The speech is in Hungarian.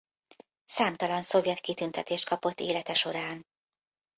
Számtalan szovjet kitüntetést kapott élete során.